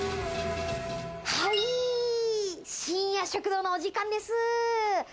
はい、深夜食堂のお時間です。